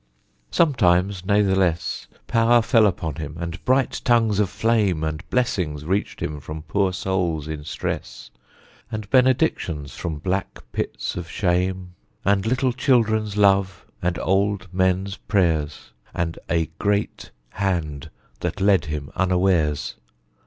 Sometimes, nathless, Power fell upon him, and bright tongues of flame, And blessings reached him from poor souls in stress; And benedictions from black pits of shame, And little children's love, and old men's prayers, And a Great Hand that led him unawares.